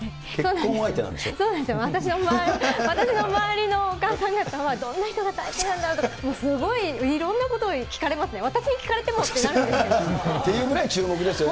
そうなんですよ、私の周りのお母さん方は、どんな人が相手なんだろうって、すごいいろんなことを聞かれますね、私に聞かれてもってなるんですけど。